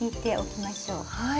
はい。